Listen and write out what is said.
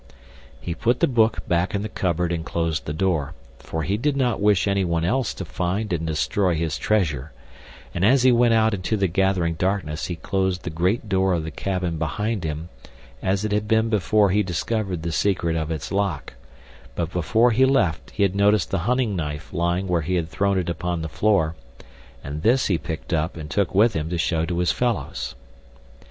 He put the book back in the cupboard and closed the door, for he did not wish anyone else to find and destroy his treasure, and as he went out into the gathering darkness he closed the great door of the cabin behind him as it had been before he discovered the secret of its lock, but before he left he had noticed the hunting knife lying where he had thrown it upon the floor, and this he picked up and took with him to show to his fellows.